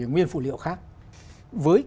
nguyên phụ liệu khác với